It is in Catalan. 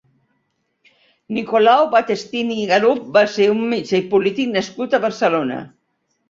Nicolau Battestini i Galup va ser un metge i polític nascut a Barcelona.